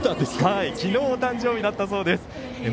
昨日お誕生日だったそうです。